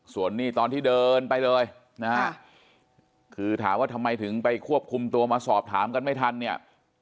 ส่วนนี้ตอนที่เดินไปเลยนะฮะคือถามว่าทำไมถึงไปควบคุมตัวมาสอบถามกันไม่ทันเนี่ย